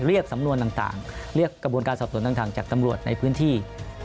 เรียกสำนวนต่างเรียกกระบวนการสอบสวนต่างจากตำรวจในพื้นที่